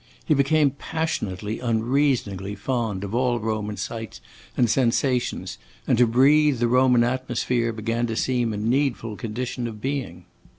He became passionately, unreasoningly fond of all Roman sights and sensations, and to breathe the Roman atmosphere began to seem a needful condition of being.